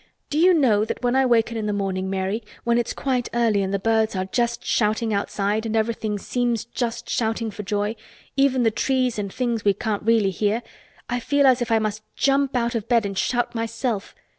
Do you know that when I waken in the morning, Mary, when it's quite early and the birds are just shouting outside and everything seems just shouting for joy—even the trees and things we can't really hear—I feel as if I must jump out of bed and shout myself.